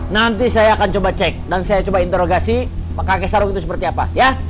nanti saya akan coba cek dan saya coba interogasi pakai sarung itu seperti apa ya